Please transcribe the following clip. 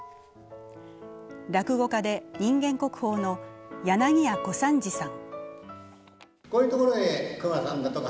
落語家で人間国宝の柳家小三治さん。